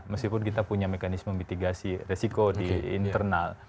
meskipun kita punya mekanisme mitigasi resiko di internal